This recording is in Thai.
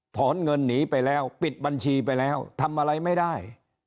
ถอนเงินหนีไปแล้วปิดบัญชีไปแล้วทำอะไรไม่ได้